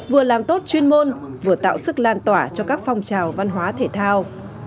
vừa làm tốt chuyên môn vừa tạo sức lan tỏa cho các phong trào văn hóa thể thao